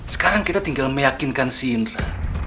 sekarang kita tinggal meyakinkan si indra